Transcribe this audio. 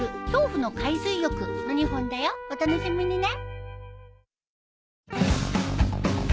お楽しみにね。